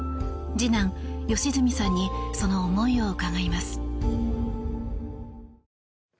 次男・良純さんにその思いを伺います。